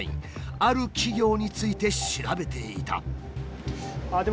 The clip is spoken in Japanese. ある企業について調べていた。